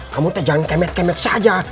kamu jangan kayak met kemet saja